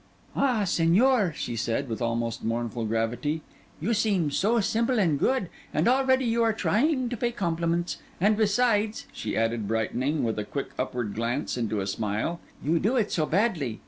'Ah, Señor,' she said, with almost mournful gravity, 'you seemed so simple and good, and already you are trying to pay compliments—and besides,' she added, brightening, with a quick upward glance, into a smile, 'you do it so badly!